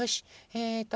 えっと